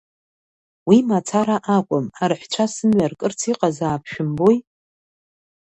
Уи мацара акәым, арҳәцәа сымҩа ркырц иҟазаап, шәымбои!